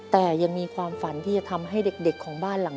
แต่ยังมีความฝันที่จะทำให้เด็กของบ้านหลังนี้